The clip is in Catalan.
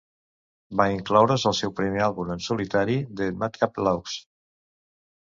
Va incloure's al seu primer àlbum en solitari, "The Madcap Laughs".